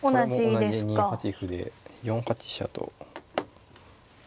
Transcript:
同じ２八歩で４八飛車と。